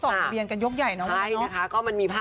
ถ้าพวกมันทดสอบทะเบียนคนอย่างใกล้